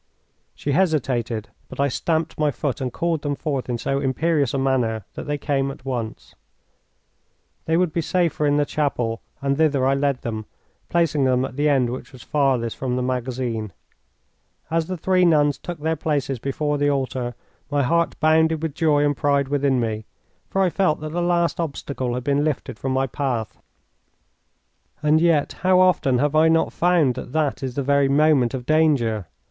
She hesitated, but I stamped my foot and called them forth in so imperious a manner that they came at once. They would be safer in the chapel, and thither I led them, placing them at the end which was farthest from the magazine. As the three nuns took their places before the altar my heart bounded with joy and pride within me, for I felt that the last obstacle had been lifted from my path. And yet how often have I not found that that is the very moment of danger?